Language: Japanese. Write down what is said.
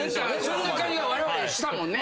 そんな会話われわれしたもんね。